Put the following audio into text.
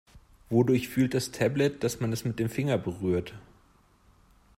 Wodurch fühlt das Tablet, dass man es mit dem Finger berührt?